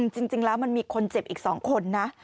จริงแล้วมันมีคนเจ็บอีก๒คนนะ